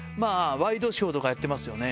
ワイドショーとかやってますよね。